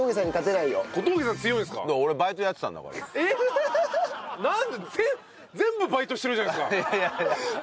なんで全部バイトしてるじゃないですか。